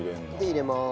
入れます。